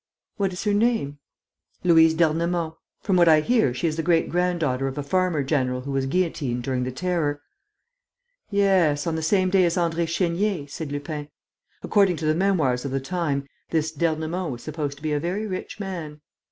"What is her name?" "Louise d'Ernemont.... From what I hear, she is the great granddaughter of a farmer general who was guillotined during the Terror." "Yes, on the same day as André Chénier," said Lupin. "According to the memoirs of the time, this d'Ernemont was supposed to be a very rich man."